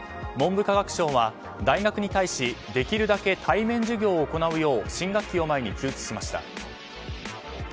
文部科学省は大学に対しできるだけ対面授業を行うよう新学期を前に通知しました。